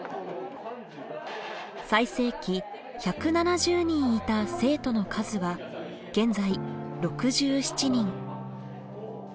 最盛期１７０人いた生徒の数は現在６７人。